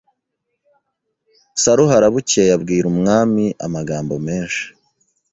Saruhara Bukeye abwira umwami amagambo menshi